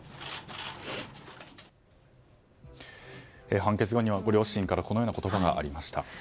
判決後には、ご両親からこのような言葉がありました。